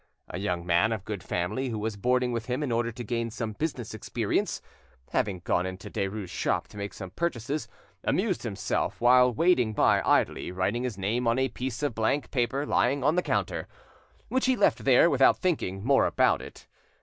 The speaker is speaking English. A young man of good family, who was boarding with him in order to gain some business experience, having gone into Derues' shop to make some purchases, amused himself while waiting by idly writing his name on a piece of blank paper lying on the counter; which he left there without thinking more about it.